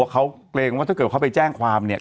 เขาเกรงว่าถ้าเกิดเขาไปแจ้งความเนี่ย